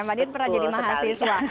mbak din pernah jadi mahasiswa